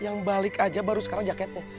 yang balik aja baru sekarang jaketnya